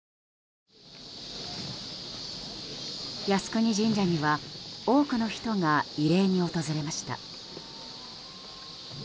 靖国神社には多くの人が慰霊に訪れました。